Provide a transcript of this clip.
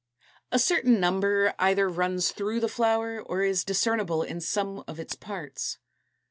= A certain number either runs through the flower or is discernible in some of its parts.